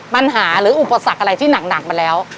ปัญหาหรืออุปสรรคอะไรที่หนักมาแล้ว